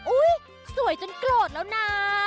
อุ๊ยสวยจนโกรธแล้วนะ